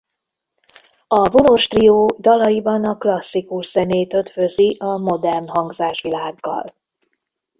A vonós trió dalaiban a klasszikus zenét ötvözi a modern hangzásvilággal.